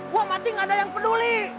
gue mati gak ada yang peduli